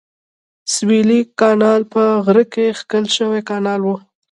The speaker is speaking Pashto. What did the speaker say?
سویلي کانال په غره کې کښل شوی کانال و.